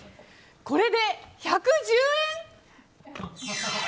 これで１１０円！？